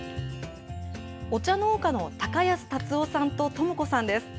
お茶農家の高安達夫さんと、智子さんです。